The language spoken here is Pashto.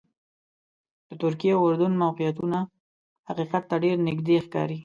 د ترکیې او اردن موقعیتونه حقیقت ته ډېر نږدې ښکاري.